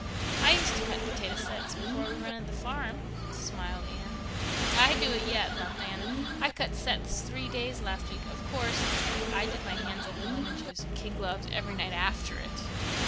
"I used to cut potato sets before we rented the farm," smiled Anne. "I do it yet," laughed Diana. "I cut sets three days last week. Of course," she added teasingly, "I did my hands up in lemon juice and kid gloves every night after it."